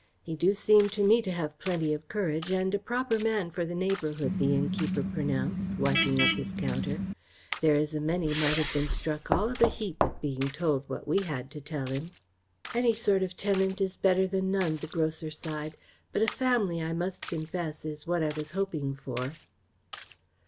"He do seem to me to have plenty of courage, and a proper man for the neighbourhood," the innkeeper pronounced, wiping up his counter. "There is a many might have been struck all of a heap at being told what we had to tell him." "Any sort of tenant is better than none," the grocer sighed, "but a family, I must confess, is what I was hoping for."